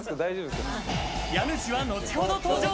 家主は後ほど登場。